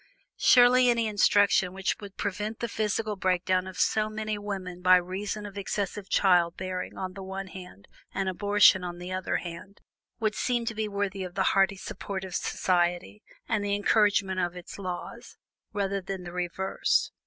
Surely, any instruction which would prevent the physical breakdown of so many women by reason of excessive child bearing on the one hand, and abortion on the other hand, would seem to be worthy of the hearty support of society, and the encouragement of its laws, rather than the reverse.